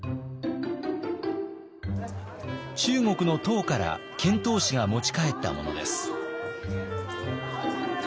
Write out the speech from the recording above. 中国の唐から遣唐使が持ち帰ったものです。